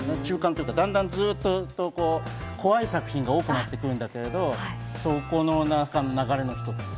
だんだん、ずっと怖い作品が多くなっていくんだけれども、そこの流れの中の一つです。